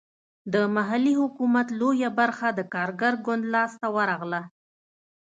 د محلي حکومت لویه برخه د کارګر ګوند لاسته ورغله.